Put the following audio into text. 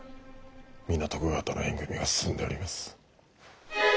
皆徳川との縁組みが進んでおります。